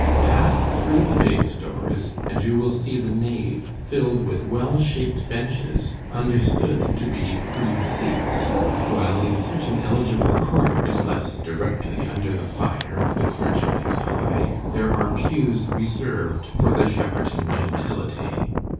Pass through the baize doors and you will see the nave filled with well shaped benches, understood to be free seats; while in certain eligible corners, less directly under the fire of the clergyman's eye, there are pews reserved for the Shepperton gentility.